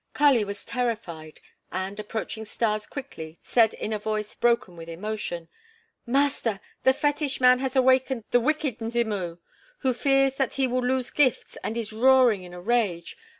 Kali was terrified and, approaching Stas quickly, said in a voice broken with emotion: "Master! the fetish man has awakened the wicked Mzimu, who fears that he will lose gifts and is roaring in a rage.